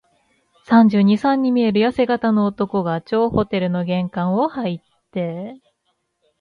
三十二、三に見えるやせ型の男が、張ホテルの玄関をはいって、